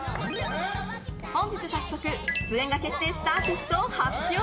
本日、早速出演が決定したアーティストを発表。